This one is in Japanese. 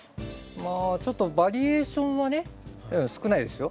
まあちょっとバリエーションはね少ないですよ。